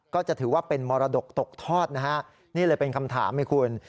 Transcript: ก็จะถือว่าเป็นมรดกตกทอดนะฮะนี่เลยเป็นคำถามให้คุณ